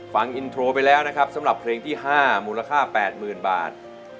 ฟังอินโทรไปแล้วนะครับสำหรับเพลงที่๕มูลค่า๘๐๐๐บาท